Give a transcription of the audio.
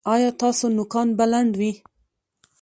ایا ستاسو نوکان به لنډ وي؟